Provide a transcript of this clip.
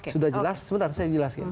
sudah jelas sebentar saya jelaskan